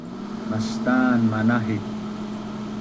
mastan manahip